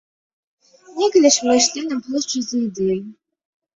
Некалі ж мы ішлі на плошчу за ідэю.